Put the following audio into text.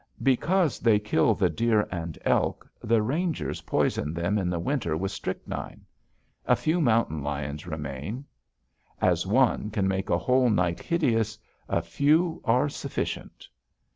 Because they kill the deer and elk, the rangers poison them in the winter with strychnine. A few mountain lions remain. As one can make a whole night hideous, a few are sufficient.